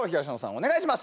お願いします。